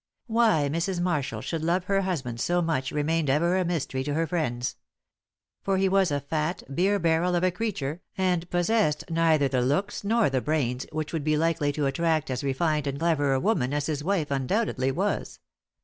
Why Mrs. Marshall should love her husband so much remained ever a mystery to her friends. For he was a fat, beer barrel of a creature, and possessed neither the looks nor the brains which would be likely to attract as refined and clever a woman as his wife undoubtedly was.